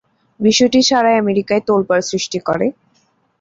বিষয়টি সারা আমেরিকায় তোলপাড় সৃষ্টি করে।